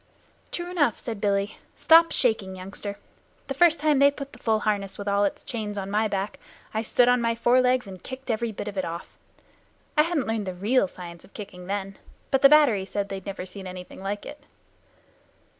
"True enough," said Billy. "Stop shaking, youngster. The first time they put the full harness with all its chains on my back I stood on my forelegs and kicked every bit of it off. I hadn't learned the real science of kicking then, but the battery said they had never seen anything like it."